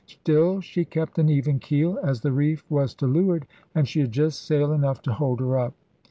StiE she kept an even keel as the reef was to leeward and she had just sail enough to hold her up.